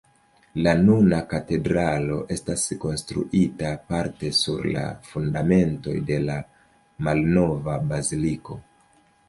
La nuna katedralo estas konstruita parte sur la fundamentoj de la malnova baziliko.